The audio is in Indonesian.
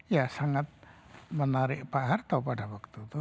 ya sangat menarik pak harto pada waktu itu